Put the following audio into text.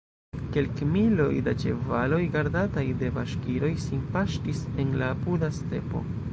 Kelkmiloj da ĉevaloj, gardataj de baŝkiroj, sin paŝtis en la apuda stepo.